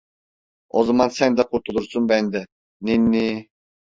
O zaman sen de kurtulursun ben de, niiiinni.